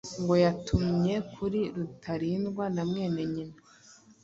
ngo yatumye kuri Rutalindwa na mwene nyina